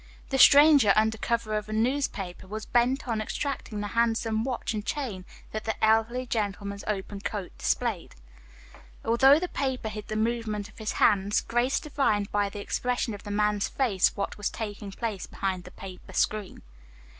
The stranger under cover of a newspaper was bent on extracting the handsome watch and chain that the elderly gentleman's open coat displayed. Although the paper hid the movement of his hands, Grace divined by the expression of the man's face what was taking place behind the paper screen.